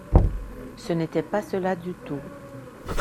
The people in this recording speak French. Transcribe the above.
Ce n’était pas cela du tout.